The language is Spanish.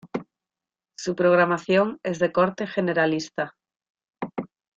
Su programación es de corte generalista.